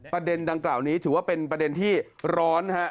ประเด็นดังกล่าวนี้ถือว่าเป็นประเด็นที่ร้อนฮะ